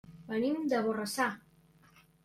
Venim de Borrassà.